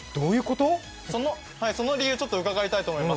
その理由、ちょっと伺いたいと思います。